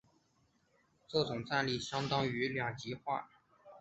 这种战力相当两极化。